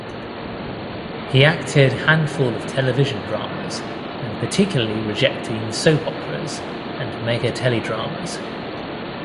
He acted handful of television dramas and particularly rejecting soap operas and mega teledramas.